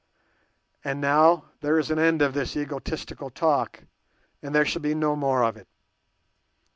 And now there is an end of this egotistical talk, and there shall be no more of it.